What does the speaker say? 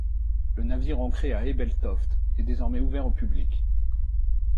Le navire ancré à Ebeltoft est désormais ouvert au public.